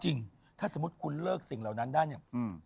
จริงถ้าสมมุติคุณเลิกสิ่งเหล่านั้นได้เนี่ย